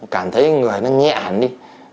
cảm thấy người nó nhẹn đi